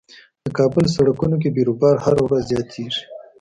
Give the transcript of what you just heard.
د کابل سړکونو کې بیروبار هر ورځ زياتيږي.